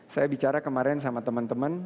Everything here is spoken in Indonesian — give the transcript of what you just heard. saya bicara kemarin sama teman teman